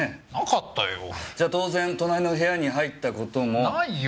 じゃあ当然隣の部屋に入った事も？ないよ。